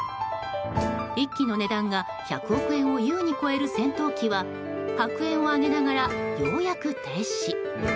１機の値段が１００億円を優に超える戦闘機は白煙を上げながらようやく停止。